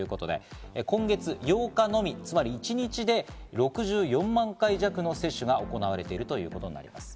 今月８日のみ一日で６４万回弱の接種が行われているということなんです。